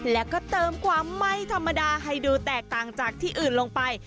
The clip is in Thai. แล้วก็เติมความไม่ธรรมดาให้ดูแตกต่างจากที่อื่นลงไป